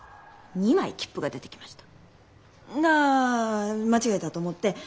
４枚切符が出てきました。